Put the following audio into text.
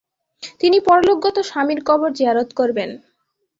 তিনি পরলোকগত স্বামীর কবর যেয়ারত করবেন।